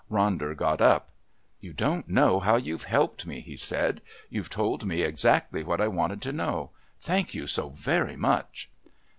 Ronder got up. "You don't know how you've helped me," he said. "You've told me exactly what I wanted to know. Thank you so very much."